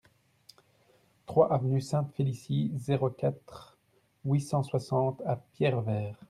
trois avenue Sainte-Félicie, zéro quatre, huit cent soixante à Pierrevert